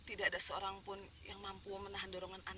indra tenang indra